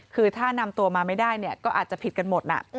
คือถ้านำตัวมาไม่ได้เนี่ยก็อาจจะผิดกันหมด